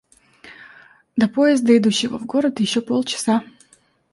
До поезда, идущего в город, еще полчаса.